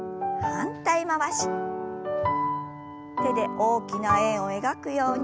手で大きな円を描くように。